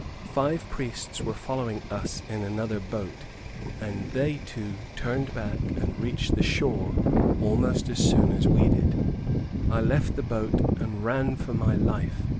Five priests were following us in another boat, and they too, turned back, and reached the shore almost as soon as we did. I left the boat and ran for my life.